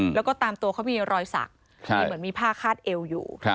แล้วก็ตามตัวเขามีรอยสักมีเหมือนมีผ้าคาดเอวอยู่